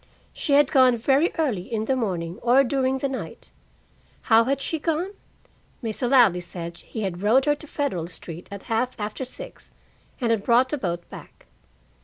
She had gone very early in the morning, or during the night. How had she gone? Mr. Ladley said he had rowed her to Federal Street at half after six and had brought the boat back.